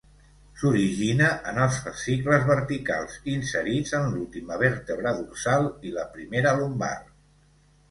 S'origina en els fascicles verticals inserits en l'última vèrtebra dorsal i la primera lumbar.